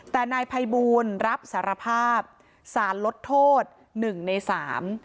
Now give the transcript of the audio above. แต่นายภัยบูลรับสารภาพสารลดโทษหนึ่งในสาม